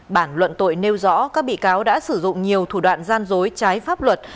bản luận tội nêu rõ các bị cáo đã sử dụng nhiều thủ đoạn gian dối trái pháp luật